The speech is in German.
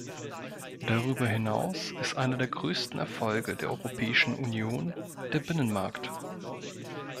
Darüber hinaus ist einer der größten Erfolge der Europäischen Union der Binnenmarkt.